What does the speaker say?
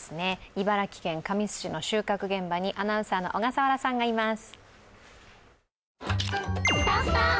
茨城県神栖市の収穫現場にアナウンサーの小笠原さんがいます。